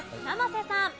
生瀬さん。